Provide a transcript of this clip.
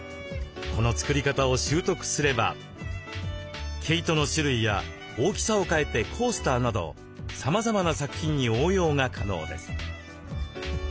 この作り方を習得すれば毛糸の種類や大きさを変えてコースターなどさまざまな作品に応用が可能です。